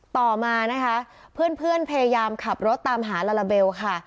ต่อมานะคะเพื่อนพยายามขับรถตามหาลาลาเบลค่ะ